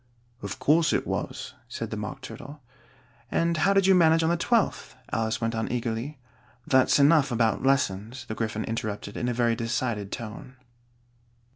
"Of course it was," said the Mock Turtle. "And how did you manage on the twelfth?" Alice went on eagerly. "That's enough about lessons," the Gryphon interrupted in a very decided tone.